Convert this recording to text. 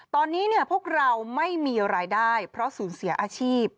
ตอนนี้พวกเราไม่มีรายได้เพราะสูญเสียอาชีพ